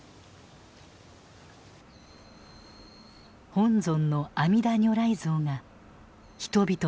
本尊の阿弥陀如来像が人々の悩み